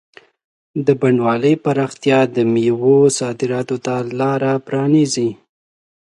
د بڼوالۍ پراختیا د مېوو صادراتو ته لاره پرانیزي.